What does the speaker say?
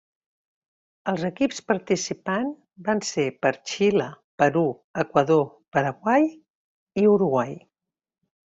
Els equips participants van ser Xile, Perú, Equador, Paraguai i Uruguai.